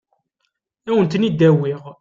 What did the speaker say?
Ad wen-tent-id-awiɣ.